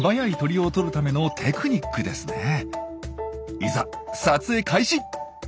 いざ撮影開始！